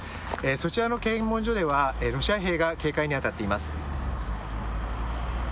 そちらの検問所ではロシア兵が警戒に当たっています。